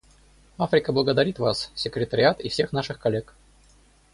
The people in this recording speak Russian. Африка благодарит Вас, Секретариат и всех наших коллег.